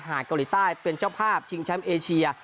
เกาหลีใต้เป็นเจ้าภาพชิงแชมป์เอเชีย